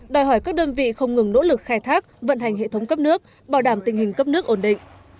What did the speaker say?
đòi hỏi các đơn vị không ngừng nỗ lực khai thác vận hành hệ thống cấp nước bảo đảm tình hình cấp nước ổn định